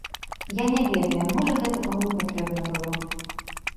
Я не ведаю, можа гэта каму і патрэбна было.